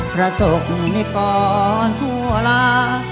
ประสบนิกรทั่วลา